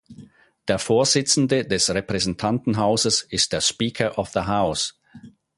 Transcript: Der Vorsitzender des Repräsentantenhauses ist der Speaker of the House.